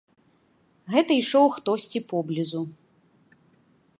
Гэта ішоў хтосьці поблізу.